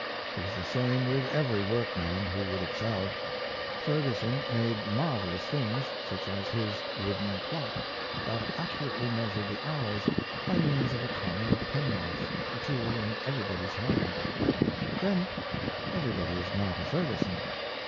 It is the same with every workman who would excel. Fergu son made marvellous things— such as his wooden clock, that accurately measured the hours — by means of a common penknife, a tool in everybody's hand; but then everybody is not a Ferguson.